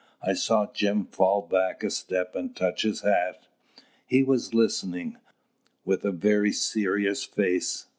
I saw Jim fall back a step and touch his hat. He was listening, with a very serious face.